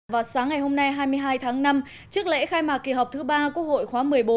vào sáng ngày hôm nay hai mươi hai tháng năm trước lễ khai mạc kỳ họp thứ ba quốc hội khóa một mươi bốn